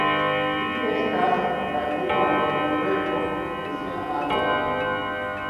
Li estas la viva portreto de sia avo!